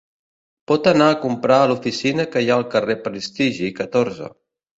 Pot anar a comprar a l'oficina que hi ha al carrer Prestigi, catorze.